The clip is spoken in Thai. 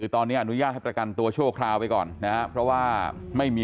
ตอนนี้อนุญาตให้ประกันตัวชั่วคราวไปก่อนนะครับเพราะว่าไม่มี